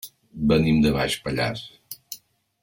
Venim de Baix Pallars.